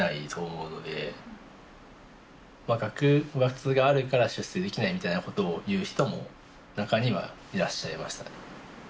学閥があるから出世できないみたいなことを言う人も中にはいらっしゃいましたね。